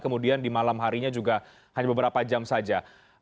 kemudian di malam harinya juga hanya beberapa jam saja